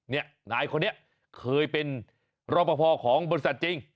นายคนนี้เคยเป็นรอปภของบริษัทจริง